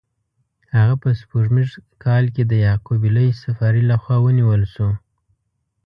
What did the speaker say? هغه په سپوږمیز کال کې د یعقوب لیث صفاري له خوا ونیول شو.